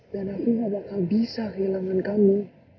dan aku gak bakal bisa kehilangan kamu